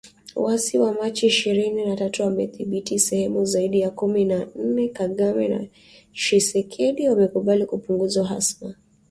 Waasi wa Machi ishirini na tatu wamedhibithi sehemu zaidi ya kumi na ine, Kagame na Tshisekedi wamekubali kupunguza uhasama